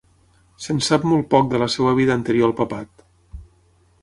Se'n sap molt poc de la seva vida anterior al papat.